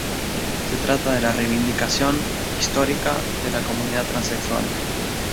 Se trata de la reivindicación histórica de la comunidad transexual.